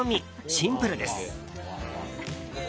シンプルです。